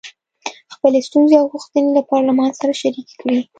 خپلې ستونزې او غوښتنې له پارلمان سره شریکې کړي.